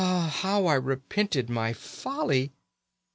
How I repented my folly!